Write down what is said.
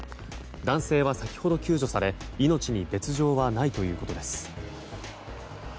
男性は先ほど救助され命に別条はないということです。